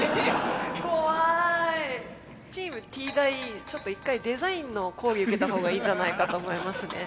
大ちょっと一回デザインの講義受けた方がいいんじゃないかと思いますね。